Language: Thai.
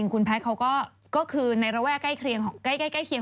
คุณแพทย์เขาก็คือในระแว่ใกล้เคียงของบ้านเนี่ย